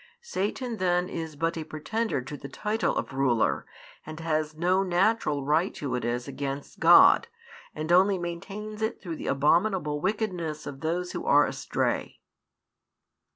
Satan then is but a pretender to the title of ruler, and has no natural right to it as against God, and only maintains it through the abominable wickedness of those who are astray.